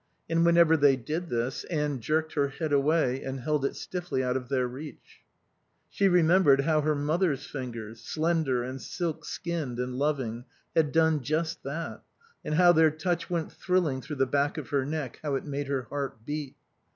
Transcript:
And whenever they did this Anne jerked her head away and held it stiffly out of their reach. She remembered how her mother's fingers, slender and silk skinned and loving, had done just that, and how their touch went thrilling through the back of her neck, how it made her heart beat.